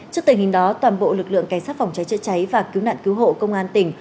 trước tình hình đó toàn bộ lực lượng cảnh sát phòng cháy chữa cháy và cứu nạn cứu hộ công an tỉnh